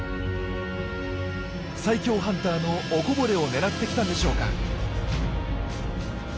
最強ハンターのおこぼれを狙って来たんでしょうか。